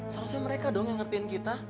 seharusnya mereka dong yang ngertiin kita